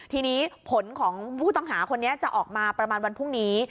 ทีนี้ผลของผู้ต้องหาคนนี้จะออกมาประมาณวันพรุ่งนี้